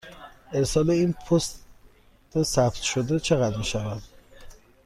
ارسال این با پست ثبت شده چقدر می شود؟